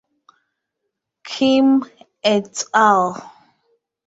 Kim "et al".